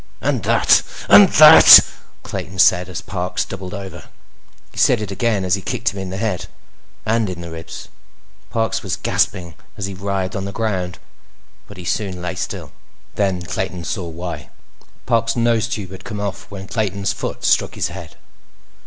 "And that, that—" Clayton said as Parks doubled over. He said it again as he kicked him in the head. And in the ribs. Parks was gasping as he writhed on the ground, but he soon lay still. Then Clayton saw why. Parks' nose tube had come off when Clayton's foot struck his head.